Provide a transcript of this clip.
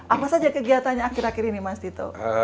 apa saja kegiatannya akhir akhir ini mas dito